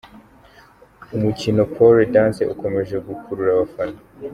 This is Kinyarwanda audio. Umukino Pole dance ukomeje gukurura abafana